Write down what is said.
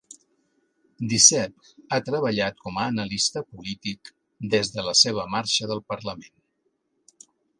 Duceppe ha treballat com a analista polític des de la seva marxa del parlament.